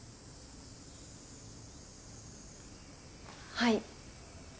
はい。